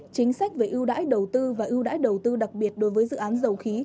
chính sách về ưu đãi đầu tư và ưu đãi đầu tư đặc biệt đối với dự án dầu khí